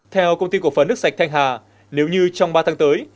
theo công ty cổ phấn nước sạch thanh hà nếu như trong ba tháng tới